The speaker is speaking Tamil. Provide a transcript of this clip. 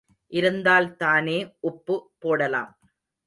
இருந்தால் தானே உப்பு போடலாம்.